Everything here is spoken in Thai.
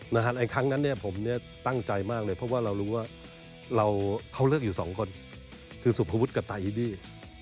ในครั้งนั้นผมตั้งใจมากเลยเพราะว่าเรารู้ว่าเขาเลือกอยู่สองคนคือสุภวุฒิกับตายอีดี้